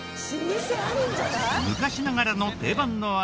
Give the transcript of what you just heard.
昔ながらの定番の味